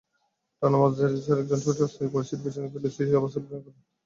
টানা মাস দেড়েকের ঝঞ্ঝাবিক্ষুব্ধ রাজনৈতিক পরিস্থিতি পেছনে ফেলে স্থিতিশীল বাংলাদেশের অবস্থা।